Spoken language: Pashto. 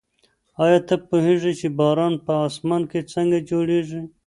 ایا ته پوهېږې چې باران په اسمان کې څنګه جوړېږي؟